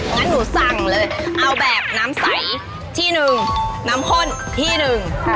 งั้นหนูสั่งเลยเอาแบบน้ำใสที่หนึ่งน้ำข้นที่หนึ่ง